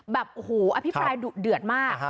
แบบโหอภิพายเรโรคเดือดมาก